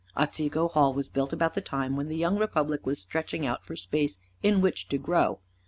Otsego Hall was built about the time when the young republic was stretching out for space in which to grow.